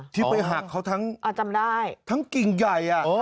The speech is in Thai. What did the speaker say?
ที่ไปหักเขาทั้งกิ่งใหญ่